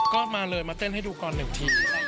ก็มาเลยมาเต้นให้ดูก่อน๑ที